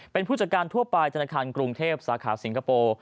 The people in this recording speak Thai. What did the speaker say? เป็นผู้จัดการทั่วไปธนาคารกรุงเทพสาขาสิงคโปร์